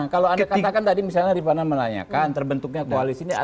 kalau anda katakan tadi misalnya di mana melayakan terbentuknya koalis ini